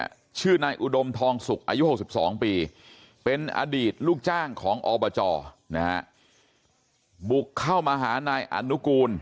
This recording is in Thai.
ชีวิตเนี่ยชื่อนายอุดมทองศุกร์อายุ๖๒ปีเป็นอดีตลูกจ้างของอบจบุกเข้ามาหานายอนุกูล